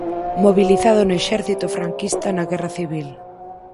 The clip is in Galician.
Mobilizado no exército franquista na guerra civil.